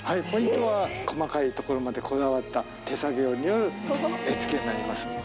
ポイントは、細かいところまでこだわった手作業による絵付けになります。